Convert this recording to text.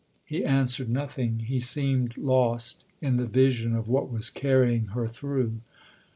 " He answered nothing ; he seemed lost in the vision of what was carrying her through.